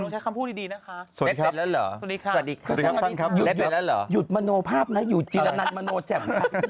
หยุดมาโนภาพนะหยุดจิละนันมาโนเจ็ม